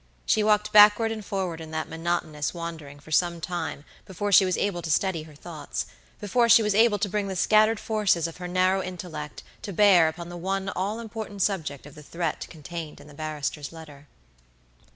She walked backward and forward in that monotonous wandering for some time before she was able to steady her thoughtsbefore she was able to bring the scattered forces of her narrow intellect to bear upon the one all important subject of the threat contained in the barrister's letter.